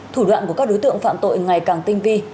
thủ đoạn của các đối tượng phạm tội ngày càng tinh vi